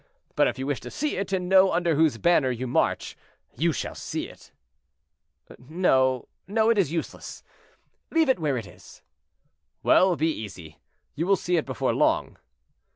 But if you wish to see it, and know under whose banner you march, you shall see it." "No, no, it is useless; leave it where it is." "Well, be easy, you will see it before long."